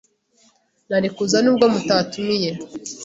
Nari kuza nubwo mutatumiye.